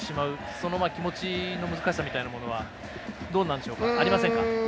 その気持ちの難しさみたいなものはどうなんでしょうかありませんか。